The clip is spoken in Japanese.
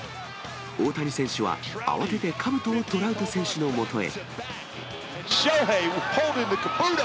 大谷選手は慌ててかぶとをトラウト選手のもとへ。